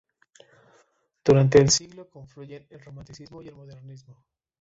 Durante este siglo confluyen el Romanticismo y el Modernismo.